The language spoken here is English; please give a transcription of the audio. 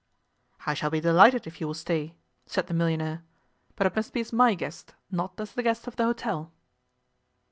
'I shall be delighted if you will stay,' said the millionaire, 'but it must be as my guest, not as the guest of the hotel.